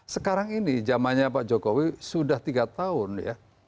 sekarang ini zamannya pak jokowi sudah tiga tahun ya